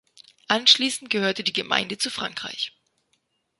Anschliessend gehörte die Gemeinde zu Frankreich.